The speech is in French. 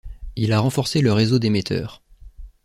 Il a renforcé le réseau d'émetteurs.